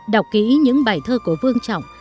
đọc kỹ những bài thơ của vương trọng